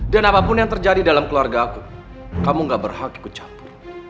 dan apapun yang terjadi dalam keluarga aku kamu gak berhak ikut campur